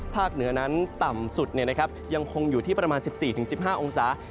เหนือนั้นต่ำสุดยังคงอยู่ที่ประมาณ๑๔๑๕องศา